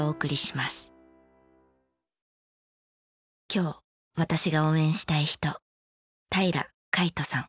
今日私が応援したい人。